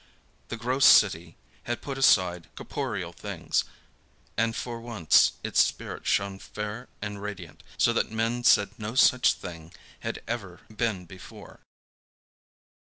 The gross city had put aside corporeal things, and for once its spirit shone fair and radiant; so that men said no such thing had ever been before.